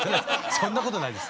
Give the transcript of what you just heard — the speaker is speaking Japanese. そんなことないです。